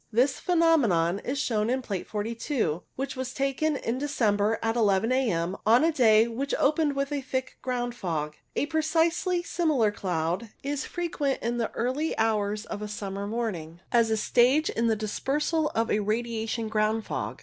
This pheno menon is shown in Plate 42, which was taken in December at 1 1 a.m., on a day which opened with a thick ground fog. A precisely similar cloud is frequent in the early hours of a summer morning, as a stage in the dispersal of a radiation ground fog.